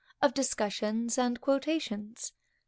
_Of Discussions and Quotations.